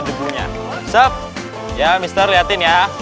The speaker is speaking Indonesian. debunya sup ya mister liatin ya